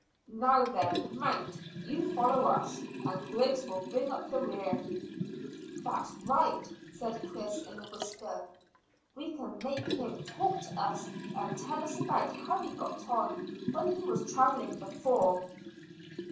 "Now then, mount. You follow us, and Griggs will bring up the rear." "That's right," said Chris in a whisper. "We can make him talk to us and tell us about how he got on when he was travelling before."